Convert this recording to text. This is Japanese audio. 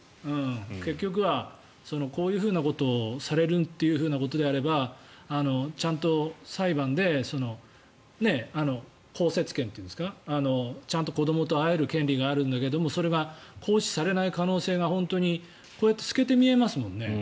結局はこういうことをされるということであればちゃんと裁判でちゃんと子どもと会える権利があるんだけどそれが行使されない可能性が本当に、こうやって透けて見えますもんね。